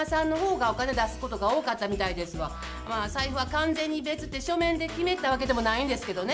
財布は完全に別って書面で決めたわけでもないんですけどね。